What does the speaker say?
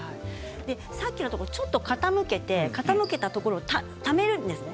さっきのところちょっと傾けてそこに、ためるんですね。